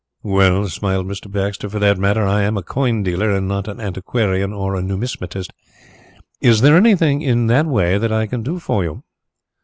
"Well," smiled Mr. Baxter, "for that matter I am a coin dealer and not an antiquarian or a numismatist. Is there anything in that way that I can do for you?"